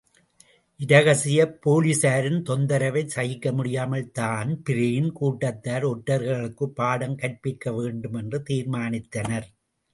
இரகசியப் போலிஸாரின் தொந்தரவைச் சகிக்கமுடியாமல் Dan Breen கூட்டத்தார் ஒற்றர்களுக்குப் பாடம் கற்பிக்க வேண்டுமென்று தீர்மானித்தனர்.